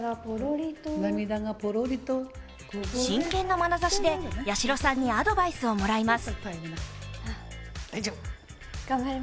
真剣なまなざしで八代さんにアドバイスをもらいます。